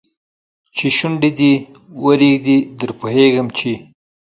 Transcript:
چې شونډي دې ورېږدي در پوهېږم چې